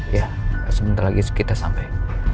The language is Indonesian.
ya sebentar lagi kita sampai